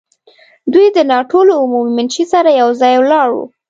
دوی د ناټو له عمومي منشي سره یو ځای ولاړ وو.